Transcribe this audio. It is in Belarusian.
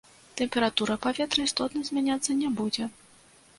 Тэмпература паветра істотна змяняцца не будзе.